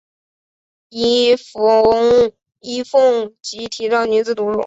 尹奉吉提倡女子读书。